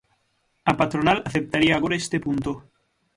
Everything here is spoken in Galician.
A patronal aceptaría agora este punto.